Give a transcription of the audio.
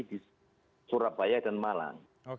di surabaya dan malang